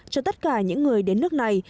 cho tất cả những người đến nước này